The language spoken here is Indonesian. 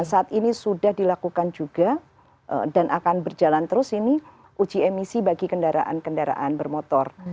saat ini sudah dilakukan juga dan akan berjalan terus ini uji emisi bagi kendaraan kendaraan bermotor